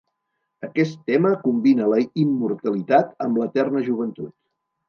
Aquest tema combina la immortalitat amb l'eterna joventut.